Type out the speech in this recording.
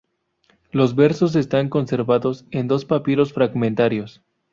Los versos están conservados en dos papiros fragmentarios.